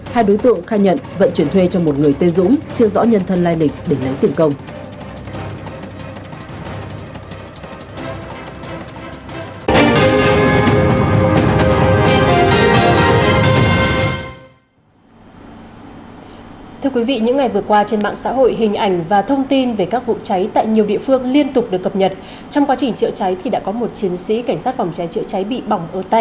hai đối tượng khai nhận vận chuyển thuê cho một người tê dũng chưa rõ nhân thân lai lịch để lấy tiền công